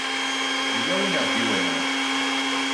Yella win i ɣ-d-iwalan.